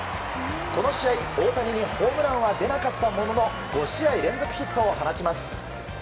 この試合、大谷にホームランは出なかったものの５試合連続ヒットを放ちます。